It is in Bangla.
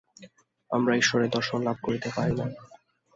আমরা ঈশ্বরের দর্শন লাভ করিতে পারি না।